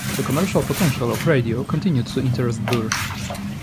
The commercial potential of radio continued to interest Burr.